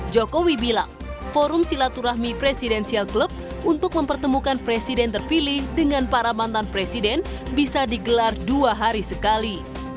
jokowi bilang forum silaturahmi presidensial klub untuk mempertemukan presiden terpilih dengan para mantan presiden bisa digelar dua hari sekali